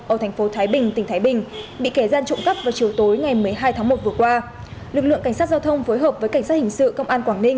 ở thành phố thái bình tỉnh thái bình bị kẻ gian trộm cắp vào chiều tối ngày một mươi hai tháng một vừa qua